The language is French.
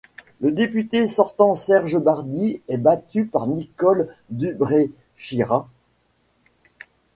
Le député sortant Serge Bardy est battu par Nicole Dubré-Chirat.